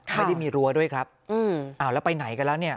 ไม่ได้มีรั้วด้วยครับอ้าวแล้วไปไหนกันแล้วเนี่ย